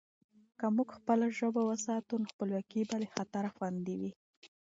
که موږ خپله ژبه وساتو، نو خپلواکي به له خطره خوندي وي.